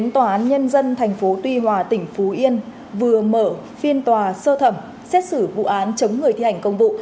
tòa án nhân dân tp tuy hòa tỉnh phú yên vừa mở phiên tòa sơ thẩm xét xử vụ án chống người thi hành công vụ